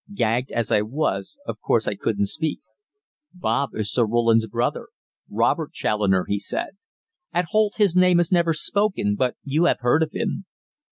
Gagged as I was, of course I couldn't speak. "Bob is Sir Roland's brother Robert Challoner," he said. "At Holt his name is never spoken, but you have heard of him.